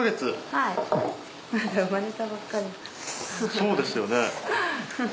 そうですよね。